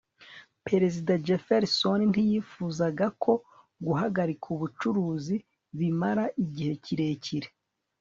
perezida jefferson ntiyifuzaga ko guhagarika ubucuruzi bimara igihe kirekire